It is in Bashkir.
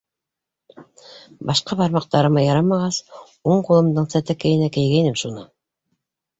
Башҡа бармаҡтарыма ярамағас, уң ҡулымдың сәтәкәйенә кейгәйнем шуны...